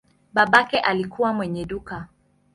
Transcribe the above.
Babake alikuwa mwenye duka.